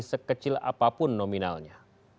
sekecil apapun nominalnya